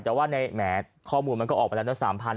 แต่ว่าแหมข้อมูลมันก็ออกมาแล้ว๓๐๐๐นะ